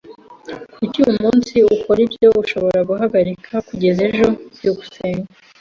Kuki uyu munsi ukora ibyo ushobora guhagarika kugeza ejo? byukusenge